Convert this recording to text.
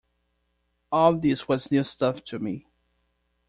All this was new stuff to me.